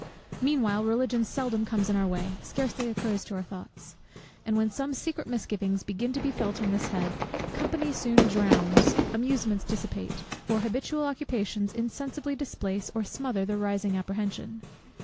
Meanwhile Religion seldom comes in our way, scarcely occurs to our thoughts; and when some secret misgivings begin to be felt on this head, company soon drowns, amusements dissipate, or habitual occupations insensibly displace or smother the rising apprehension.